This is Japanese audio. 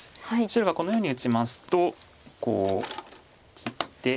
白がこのように打ちますとこう切って。